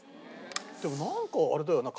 でもなんかあれだよな。